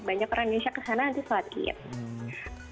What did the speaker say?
banyak orang indonesia ke sana nanti sholat id